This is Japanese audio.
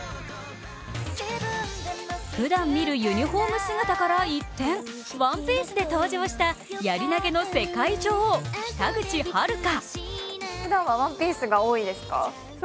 ふだん見るユニフォーム姿から一転、ワンピースで登場したやり投げの世界女王・北口榛花。